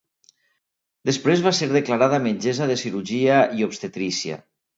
Després va ser declarada metgessa de cirurgia i obstetrícia.